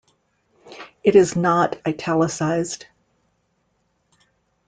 It is not italicised.